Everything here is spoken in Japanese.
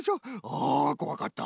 あこわかった。